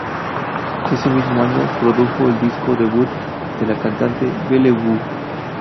Ese mismo año produjo el disco debut de la cantante Belle Who.